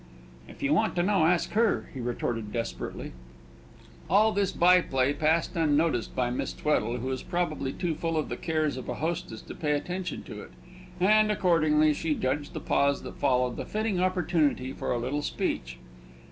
"If you want to know, ask her," he retorted desperately. All this by play passed unnoticed by Miss Tweddle, who was probably too full of the cares of a hostess to pay attention to it; and, accordingly, she judged the pause that followed the fitting opportunity for a little speech.